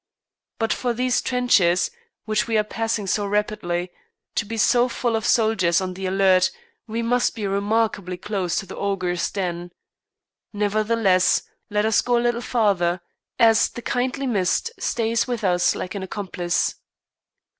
But for these trenches, which we are passing so rapidly, to be so full of soldiers on the alert, we must be remarkably close to the Ogre's den. Nevertheless let us go a little farther, as the kindly mist stays with us like an accomplice.